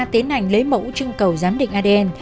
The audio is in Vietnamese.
tiến hành lấy mẫu trưng cầu giám định adn